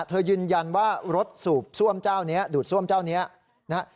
เธอยืนยันว่ารถสูบส้วมเจ้าเนี่ยดูดส้วมเจ้าเนี่ยนะครับ